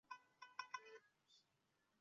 埃尔利海滩是大堡礁观光的门户之一。